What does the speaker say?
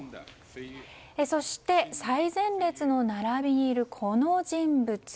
そして、最前列の並びにいるこの人物。